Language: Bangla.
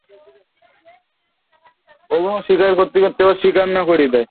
এই তত্ত্বদৃষ্টি-সহায়ে জগতে জীবনযাপন করিতে হইবে।